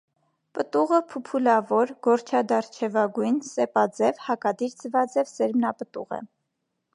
Պտուղը փուփուլավոր, գորշադարչևագույն, սեպաձև, հակադիր ձվաձև սերմնապտուղ է։